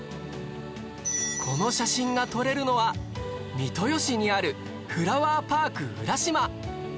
この写真が撮れるのは三豊市にあるフラワーパーク浦島